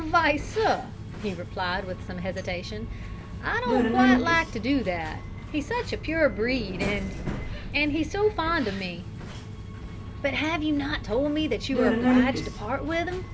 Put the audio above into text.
"Vy, sir," he replied, with some hesitation, "I don't quite like to do that. He's such a pure breed, and and he's so fond o' me." "But have you not told me that you are obliged to part with him?"